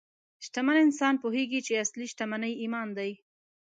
شتمن انسان پوهېږي چې اصلي شتمني ایمان دی.